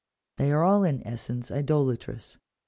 They are all in essence idolatrous.